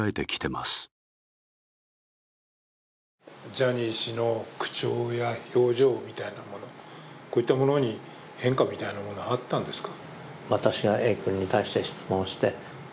ジャニー氏の口調や表情みたいなものに変化みたいなものがあったんですか？